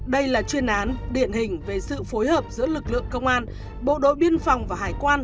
đây là chuyên án điển hình về sự phối hợp giữa lực lượng công an bộ đội biên phòng và hải quan